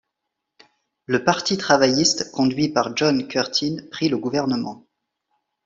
Le parti travailliste conduit par John Curtin prit le gouvernement.